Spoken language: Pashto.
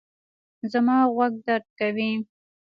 زما غوږ درد کوي